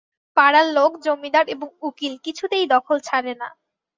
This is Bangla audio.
পাড়ার লোক, জমিদার এবং উকিল কিছুতেই দখল ছাড়ে না।